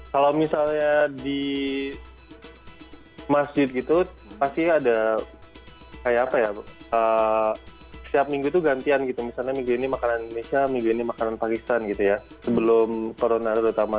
kalau misalnya di masjid gitu pasti ada kayak apa ya setiap minggu itu gantian gitu misalnya minggu ini makanan indonesia minggu ini makanan pakistan gitu ya sebelum corona terutama